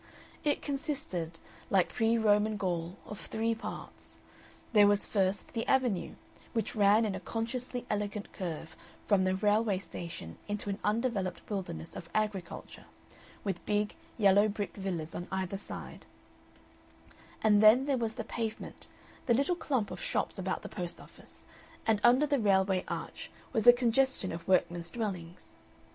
It consisted, like pre Roman Gaul, of three parts. There was first the Avenue, which ran in a consciously elegant curve from the railway station into an undeveloped wilderness of agriculture, with big, yellow brick villas on either side, and then there was the pavement, the little clump of shops about the post office, and under the railway arch was a congestion of workmen's dwellings.